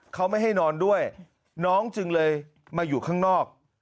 เขาไม่ให้นอนด้วยน้องจึงเลยมาอยู่ข้างนอก